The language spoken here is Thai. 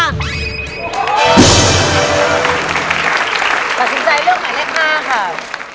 ก็สินใจเลือกไปเลือก๕ครับ